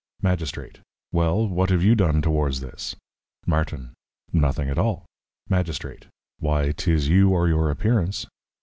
Magistrate. Well, what have you done towards this? Martin. Nothing at all. Magistrate. Why, 'tis you or your Appearance.